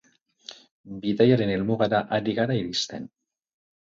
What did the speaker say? Bidaiaren helmugara ari gara iristen.